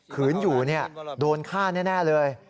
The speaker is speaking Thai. ขืนอยู่เนี่ยโดนฆ่าแน่เลย